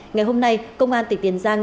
ngày hôm nay công an tỉnh tiền giang